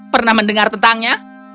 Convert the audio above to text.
pernah mendengar tentangnya